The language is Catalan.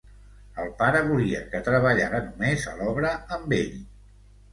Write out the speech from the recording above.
El pare volia que treballara només a l’obra amb ell.